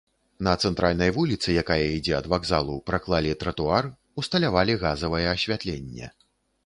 На цэнтральнай вуліцы, якая ідзе ад вакзалу, праклалі тратуар, ўсталявалі газавае асвятленне.